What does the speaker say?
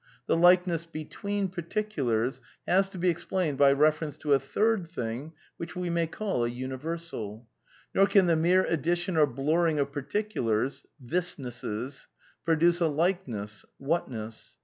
. "the likeness * between' particulars has to be explained by reference to a third thing which we may call a un^jfiersal. Nor can the mere addition or blurring of par ticulars (thisnesses) produce a likeness (whatness).